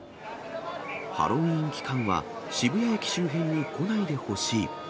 ハロウィーン期間は渋谷駅周辺に来ないでほしい。